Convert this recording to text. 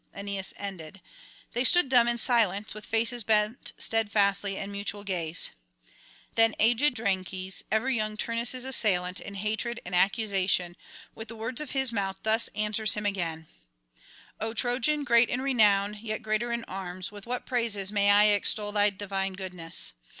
Aeneas ended: they stood dumb in silence, with faces bent steadfastly in mutual gaze. Then aged Drances, ever young Turnus' assailant in hatred and accusation, with the words of his mouth thus answers him again: 'O Trojan, great in renown, yet greater in arms, with what praises may I extol thy divine goodness?